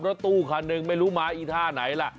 รถตู้คันหนึ่งไม่รู้มาอีท่าไหนล่ะ